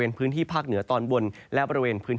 ก็จะมีการแผ่ลงมาแตะบ้างนะครับ